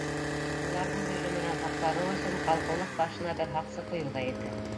Уларҙың һөжүменән һаҡланыу өсөн ҡалҡыулыҡ башына бер һаҡсы ҡуйыу ҙа етә.